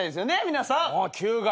皆さん。